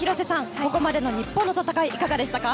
ここまでの戦いいかがでしたか？